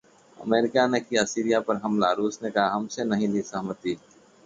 America ने किया Syria पर हमला, रूस ने कहा- हमसे नहीं ली सहमति